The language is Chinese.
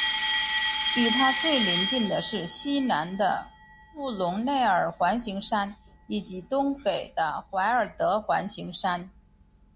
与它最邻近的是西南的布隆内尔环形山以及东北的怀尔德环形山。